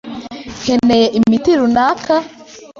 Nkeneye imiti runaka?